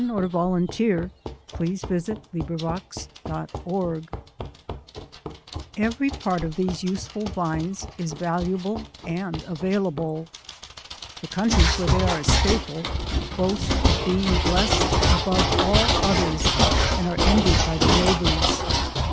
Qualities and Properties of Grape Vines and Wines. Eveiy part of these useful Vines is valuable and avail able. The countries where they are a staple, boast of being blessed above all others, and are envied by their neighbours.